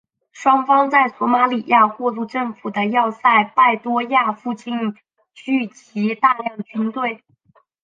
双方在索马利亚过渡政府的要塞拜多亚附近聚集大量军队。